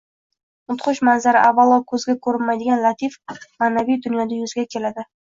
Mudhish manzara avvalo ko‘zga ko‘rinmaydigan latif – ma’naviy dunyoda yuzaga keladi